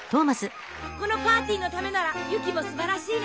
このパーティーのためなら雪もすばらしいね！